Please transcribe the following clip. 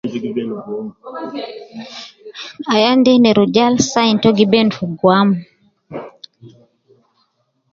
Ayan de ne rujal sign to gi ben fi gwam